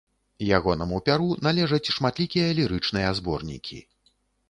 Ягонаму пяру належаць шматлікія лірычныя зборнікі.